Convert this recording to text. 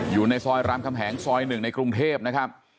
อยู่ในซอยรามคำแหงซอย๑ในกรุงเทพนะครับ